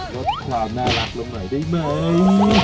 รถความน่ารักลงใหนได้มั้ย